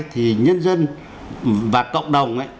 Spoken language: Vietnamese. thì nhân dân và cộng đồng